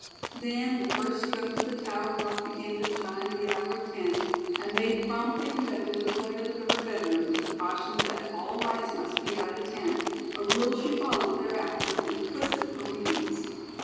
Then the first stroke of the tower clock began to chime the hour of ten and they promptly conducted Otoyo to her bedroom with the caution that all lights must be out at ten, a rule she followed thereafter with implicit obedience.